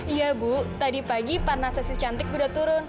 iya bu tadi pagi parna sese cantik udah turun